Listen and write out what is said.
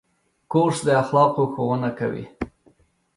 کورس د اخلاقو ښوونه کوي.